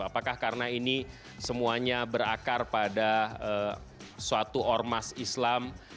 apakah karena ini semuanya berakar pada suatu ormas islam